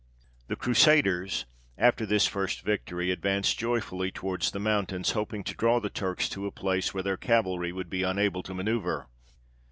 The Crusaders, after this first victory, advanced joyfully towards the mountains, hoping to draw the Turks to a place where their cavalry would be unable to manoeuvre.